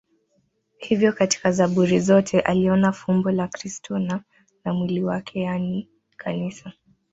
Hivyo katika Zaburi zote aliona fumbo la Kristo na la mwili wake, yaani Kanisa.